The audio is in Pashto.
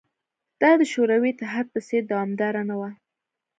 دا د شوروي اتحاد په څېر دوامداره نه وه